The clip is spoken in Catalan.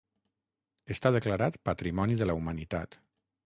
Està declarat patrimoni de la humanitat.